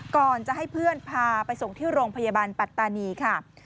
ก่อนจะให้เพื่อนพาไปส่งที่โรงพยาบาลปัตตานีค่ะ